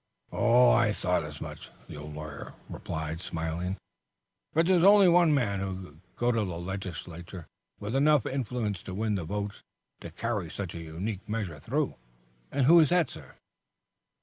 "I thought as much," the old lawyer replied, smiling. "But there's only one man who could go to the legislature with enough influence to win the votes to carry such a unique measure through." "And who is that, sir?"